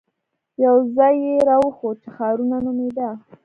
يو ځاى يې راوښود چې ښارنو نومېده.